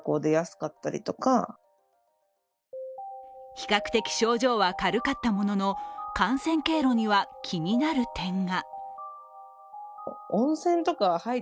比較的症状は軽かったものの、感染経路には気になる点が。